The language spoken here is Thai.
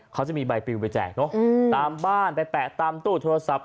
เขาจะมีใบปิวไปแจกเนอะตามบ้านไปแปะตามตู้โทรศัพท์